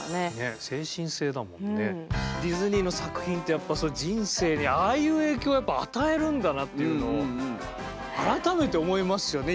ディズニーの作品ってやっぱ人生にああいう影響をやっぱ与えるんだなっていうのを改めて思いますよね